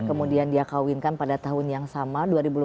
kemudian dia dikawinkan pada tahun yang sama